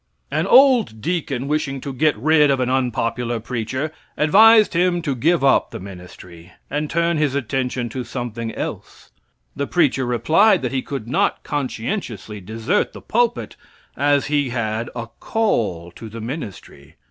An old deacon, wishing to get rid of an unpopular preacher, advised him to give up the ministry, and turn his attention to something else. The preacher replied that he could not conscientiously desert the pulpit, as he had a "call" to the ministry.